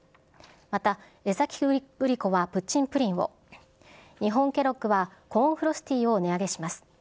また江崎グリコはプッチンプリンを、日本ケロッグはコーンフロスティを値上げします。